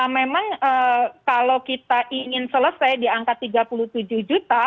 memang kalau kita ingin selesai di angka tiga puluh tujuh juta